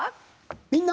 「みんな！